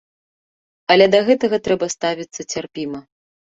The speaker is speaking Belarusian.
Але да гэтага трэба ставіцца цярпіма.